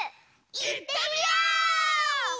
いってみよう！